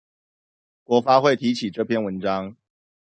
國發會提起這篇文章